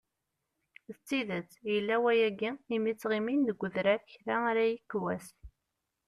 D tidet, yella wayagi imi ttɣimin deg udrar kra ara yekk wass.